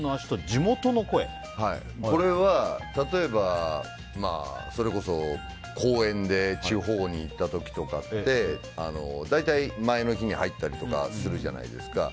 これは例えば、それこそ公演で地方に行った時とかって大体、前の日に入ったりとかするじゃないですか。